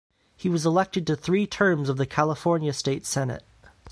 He was elected to three terms of the California State Senate.